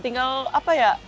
tinggal apa ya